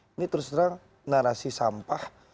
ini terus terang narasi sampah